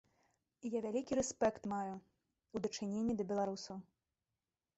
Я вялікі рэспект маю ў дачыненні да беларусаў.